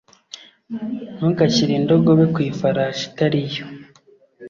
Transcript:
Ntugashyire indogobe ku ifarashi itari yo.